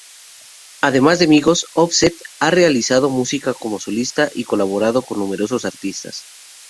Además de Migos, Offset ha realizado música como solista y colaborado con numerosos artistas.